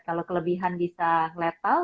kalau kelebihan bisa letal